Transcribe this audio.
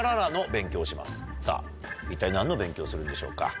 さぁ一体何の勉強するんでしょうか？